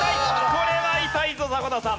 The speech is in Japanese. これは痛いぞ迫田さん。